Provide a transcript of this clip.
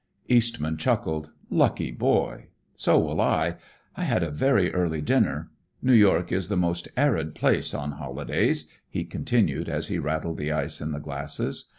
Eastman chuckled. "Lucky boy! So will I. I had a very early dinner. New York is the most arid place on holidays," he continued as he rattled the ice in the glasses.